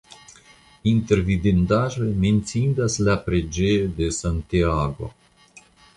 Inter vidindaĵoj menciindas la preĝejo de Santiago.